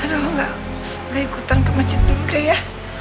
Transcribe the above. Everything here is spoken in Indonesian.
aduh gak ikutan ke masjid dulu deh ya